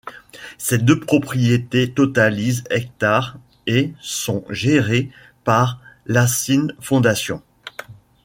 Ces deux propriétés totalisent hectares et sont gérées par l'Assynt Foundation.